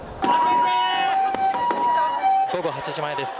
午後８時前です。